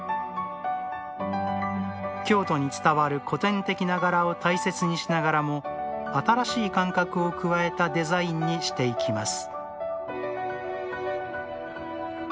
京都に伝わる古典的な柄を大切にしながらも新しい感覚を加えたデザインにしていきます